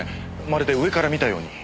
まるで上から見たように。